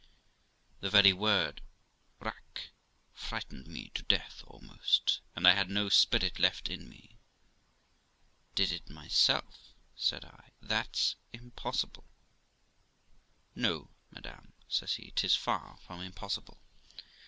The very word rack frighted me to death almost, and I had no spirit left in me. 'Did it myself!' said I. 'That's impossible!' ' No, madam ', says he, ' 'tis far from impossible.